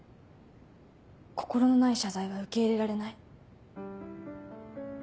心のない謝罪は受け入れられない。